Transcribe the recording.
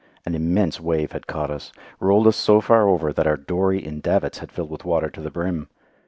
An immense wave had caught us, rolled us so far over that our dory in davits had filled with water to the brim.